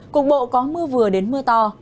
cục bộ có mưa vừa đến mưa to